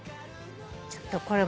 ちょっとこれも。